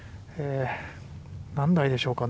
何台でしょうかね。